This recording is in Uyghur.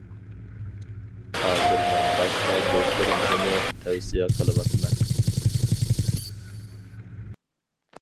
ھازىر مەن باشقا دوستلىرىمغىمۇ تەۋسىيە قىلىۋاتىمەن.